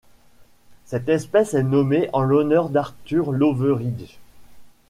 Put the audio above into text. Cette espèce est nommée en l'honneur d'Arthur Loveridge.